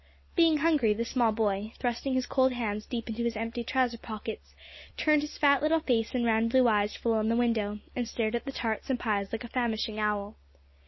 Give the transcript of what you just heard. Being hungry, the small boy, thrusting his cold hands deep into his empty trouser pockets, turned his fat little face and round blue eyes full on the window, and stared at the tarts and pies like a famishing owl.